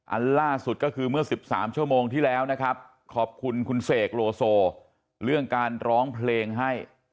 อันล่าสุดก็คือเมื่อ๑๓ชั่วโมงที่แล้วนะครับขอบคุณคุณเสกโลโซเรื่องการร้องเพลงให้